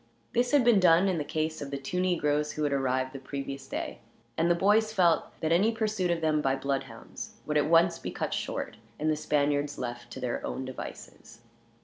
This had been done in the case of the two negroes who had arrived the previous day, and the boys felt that any pursuit of them by bloodhounds would at once be cut short, and the Spaniards left to their own devices.